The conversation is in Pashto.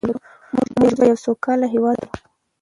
موږ به یو سوکاله هېواد ولرو.